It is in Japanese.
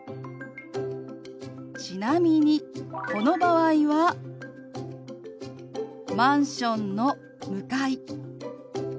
ちなみにこの場合は「マンションの向かい」。